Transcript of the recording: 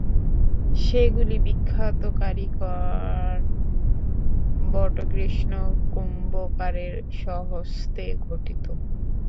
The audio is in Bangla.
সেগুলি বিখ্যাত কারিকর বটকৃষ্ণ কুম্ভকারের স্বহস্তে গঠিত।